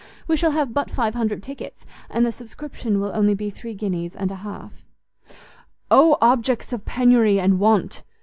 We shall have but five hundred tickets, and the subscription will only be three guineas and a half." "Oh objects of penury and want!"